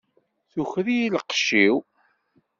Tuker-iyi lqecc-iw!